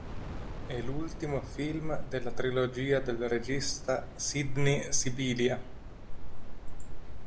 È l’ultimo film della trilogia del regista Sydney Sibilia.